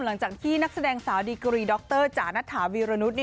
หลังจากที่นักแสดงสาวดีกรีดรจานัทถาวีรณุษ